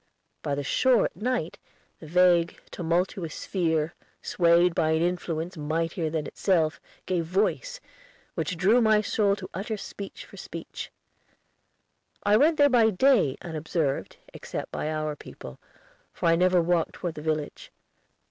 By the shore at night the vague tumultuous sphere, swayed by an influence mightier than itself, gave voice, which drew my soul to utter speech for speech. I went there by day unobserved, except by our people, for I never walked toward the village.